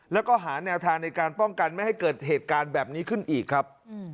แล้วก็หาแนวทางในการป้องกันไม่ให้เกิดเหตุการณ์แบบนี้ขึ้นอีกครับ